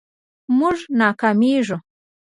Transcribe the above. مونږ ناکامیږو